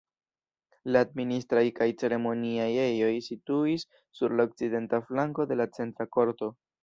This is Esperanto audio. La administraj kaj ceremoniaj ejoj situis sur la okcidenta flanko de la centra korto.